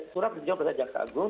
surat penjualan dari jakarta agung